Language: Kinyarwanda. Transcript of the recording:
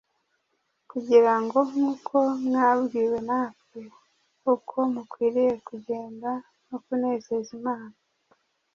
kugira ngo, nk’uko mwabwiwe natwe uko mukwiriye kugenda no kunezeza Imana,